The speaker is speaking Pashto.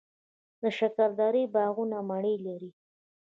د شکردرې باغونه مڼې لري.